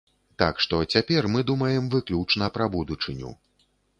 Так што, цяпер мы думаем выключна пра будучыню.